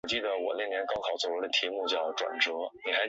主要角色有芳山和子。